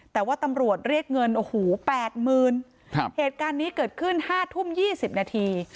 แต่ว่าตำรวจเรียกเงินโอ้โหแปดหมื่นครับเหตุการณ์นี้เกิดขึ้นห้าทุ่มยี่สิบนาที